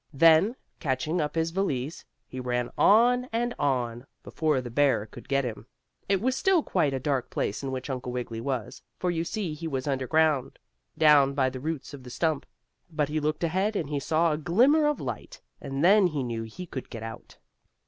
Then, catching up his valise, he ran on and on, before the bear could get to him. It was still quite a dark place in which Uncle Wiggily was, for you see he was underground, down by the roots of the stump. But he looked ahead and he saw a little glimmer of light, and then he knew he could get out.